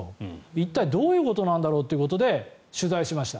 一体どういうことなんだろうということで取材しました。